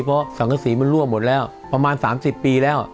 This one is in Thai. เพราะสังกษีมันรั่วหมดแล้วประมาณ๓๐ปีแล้ว